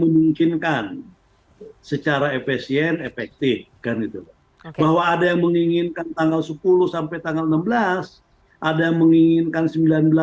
memungkinkan secara efesien efektif kan itu bahwa ada yang menginginkan tanggal sepuluh sampai tanggal enam belas